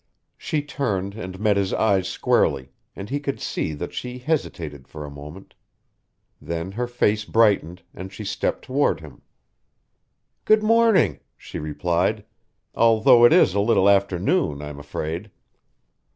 She turned and met his eyes squarely, and he could see that she hesitated for a moment. Then her face brightened, and she stepped toward him. "Good morning," she replied. "Although it is a little after noon, I am afraid."